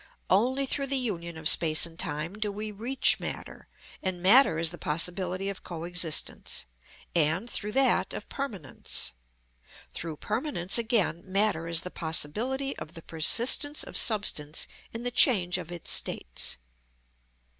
Only through the union of space and time do we reach matter, and matter is the possibility of co existence, and, through that, of permanence; through permanence again matter is the possibility of the persistence of substance in the change of its states.